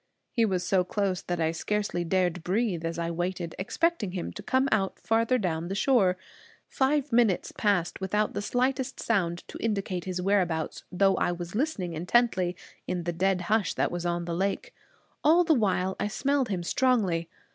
He was so close that I scarcely dared breathe as I waited, expecting him to come out farther down the shore. Five minutes passed without the slightest sound to indicate his whereabouts, though I was listening intently in the dead hush that was on the lake. All the while I smelled him strongly.